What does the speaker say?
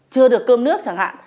chưa được cơm nước chẳng hạn